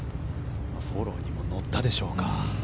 フォローにも乗ったでしょうか。